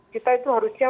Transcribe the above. kita itu harusnya